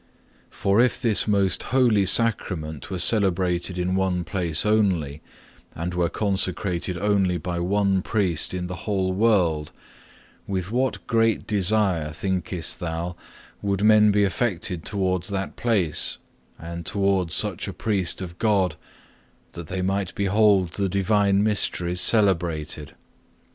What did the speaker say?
13. For if this most holy Sacrament were celebrated in one place only, and were consecrated only by one priest in the whole world, with what great desire thinkest thou, would men be affected towards that place and towards such a priest of God, that they might behold the divine mysteries celebrated?